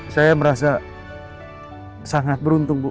saya merasa sangat beruntung bu